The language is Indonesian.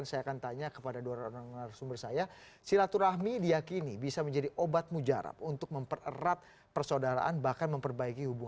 saya mengucapkan selamat menulis